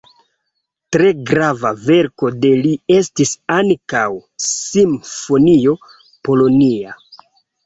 Tre grava verko de li estis ankaŭ simfonio "Polonia".